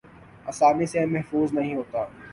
آسانی سے محظوظ نہیں ہوتا